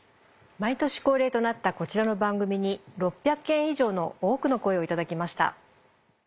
毎年恒例となったこちらの番組に６００件以上の多くの声を頂きました。